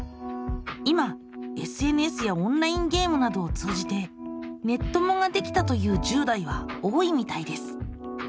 今ＳＮＳやオンラインゲームなどを通じてネッ友ができたという１０代は多いみたいです。